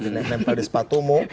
dinempel di sepatumu